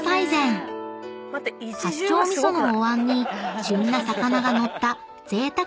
［八丁味噌のおわんに旬な魚が載ったぜいたくなお膳］